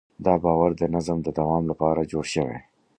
دا باور د نظم د دوام لپاره جوړ شوی.